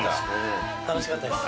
楽しかったです。